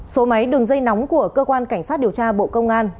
số máy đường dây nóng của cơ quan cảnh sát điều tra bộ công an